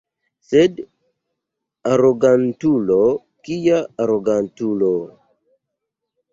Sed arogantulo, kia arogantulo!